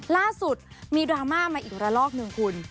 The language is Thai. ล่าสุดมีดราม่ามาอีกระลอกหนึ่งคุณ